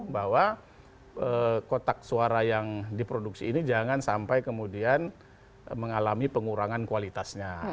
bahwa kotak suara yang diproduksi ini jangan sampai kemudian mengalami pengurangan kualitasnya